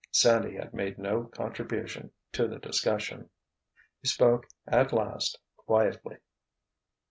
Sandy had made no contribution to the discussion. He spoke, at last, quietly.